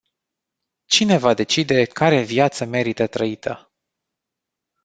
Cine va decide care viață merită trăită?